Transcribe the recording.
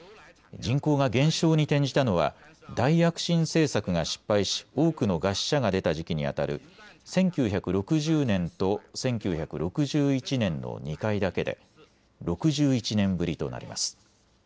人口が減少に転じたのは大躍進政策が失敗し多くの餓死者が出た時期にあたる１９６０年と１９６１年の２回だけで６１年ぶりとなります。